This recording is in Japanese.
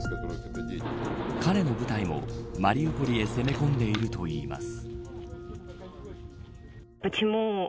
彼の部隊もマリウポリへ攻め込んでいるといいます。